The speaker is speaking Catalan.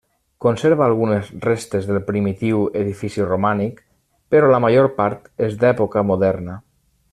Conserva algunes restes del primitiu edifici romànic, però la major part és d'època moderna.